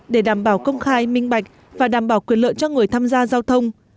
để đảm bảo công khai minh bạch và đảm bảo quyền lợi cho người tham gia giao thông